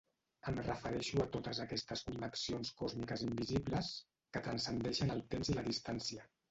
Em refereixo a totes aquestes connexions còsmiques invisibles que transcendeixen el temps i la distància.